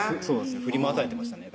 振り回されてましたね